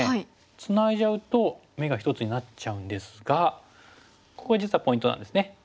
ツナいじゃうと眼が１つになっちゃうんですがここが実はポイントなんですね。